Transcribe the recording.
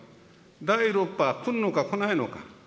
第６波は来るのか来ないのか。